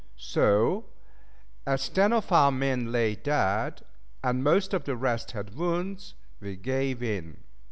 So, as ten of our men lay dead, and most of the rest had wounds, we gave in.